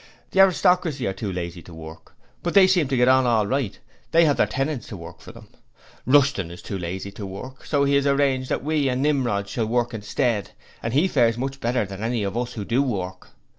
The aristocracy are too lazy to work, but they seem to get on all right; they have their tenants to work for them. Rushton is too lazy to work, so he has arranged that we and Nimrod shall work instead, and he fares much better than any of us who do work.